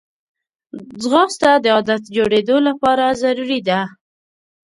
ځغاسته د عادت جوړېدو لپاره ضروري ده